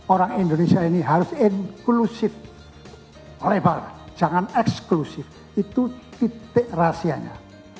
orang indonesia ini harus inklusif lebar jangan eksklusif itu titik rahasianya